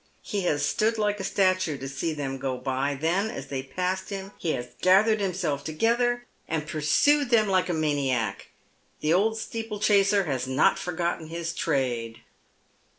He has stood like a statue to see them go by, then, as they passed him, he has gathered himself together, and pursued them like a maniac. The old steeplechaser has not forgotten his trade.